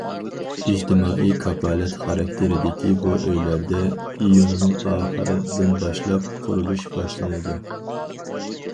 ئىجتىمائىي كاپالەت خاراكتېرىدىكى بۇ ئۆيلەردە ئىيۇننىڭ ئاخىرلىرىدىن باشلاپ قۇرۇلۇش باشلىنىدۇ.